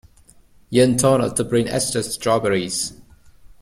Ying told us to bring extra strawberries.